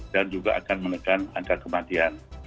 dan juga akan menekan angka kematian